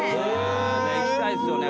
行きたいっすよね